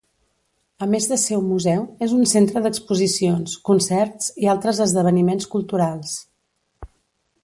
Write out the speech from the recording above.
A més de ser un museu és un centre d'exposicions, concerts i altres esdeveniments culturals.